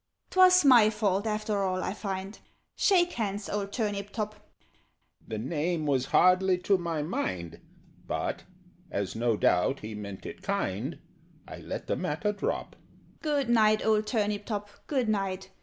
"'Twas my fault after all, I find Shake hands, old Turnip top!" The name was hardly to my mind, But, as no doubt he meant it kind, I let the matter drop. "Good night, old Turnip top, good night!